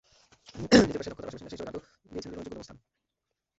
নিজের পেশায় দক্ষতার পাশাপাশি নেশা হিসেবে গানকেও দিয়েছেন জীবনে যোগ্যতম স্থান।